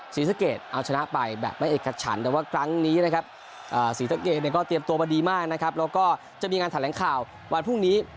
สีสะเกดเนี่ยก็เตรียมตัวมาดีมากนะครับแล้วก็จะมีงานถ่ายแหล่งข่าววันพรุ่งนี้